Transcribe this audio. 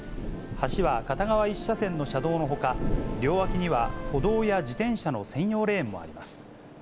橋は片側１車線の車道のほか、両脇には歩道や自転車の専用レーンもあります。